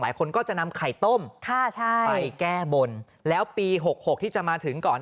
คนก็จะนำไข่ต้มไปแก้บนแล้วปี๖๖ที่จะมาถึงก่อน